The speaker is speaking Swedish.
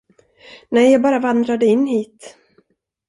Nej, jag bara vandrade in hit.